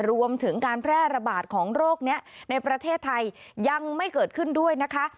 รวมถึงการแพร่ระบาดของโรคนี้ในประเทศไทยยังไม่เกิดขึ้นด้วยนะคะ